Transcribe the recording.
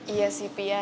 iya sih pi ya